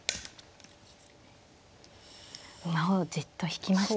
馬をじっと引きました。